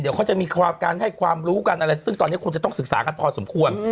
เดี๋ยวจะมีความรู้กันซึ่งตอนนี้ต้องสึกษากันพอสมควร